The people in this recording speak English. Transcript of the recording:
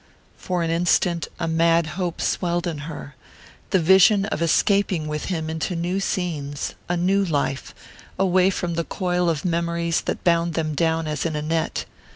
For an instant a mad hope swelled in her the vision of escaping with him into new scenes, a new life, away from the coil of memories that bound them down as in a net.